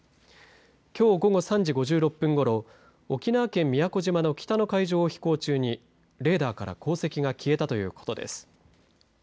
きょう午後３時５６分ごろ沖縄県宮古島の北の海上を飛行中にレーダーから航跡が消えたということです。